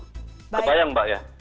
kebayang mbak ya